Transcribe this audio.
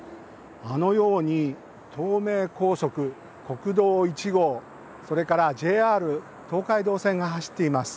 あのように東名高速国道１号それからＪＲ東海道線が走っています。